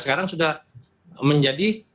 sekarang sudah menjadi empat belas